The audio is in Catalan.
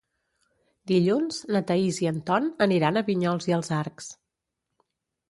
Dilluns na Thaís i en Ton aniran a Vinyols i els Arcs.